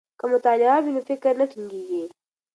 که مطالعه وي نو فکر نه تنګیږي.